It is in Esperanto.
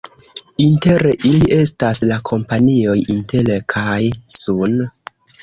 Inter ili estas la kompanioj Intel kaj Sun.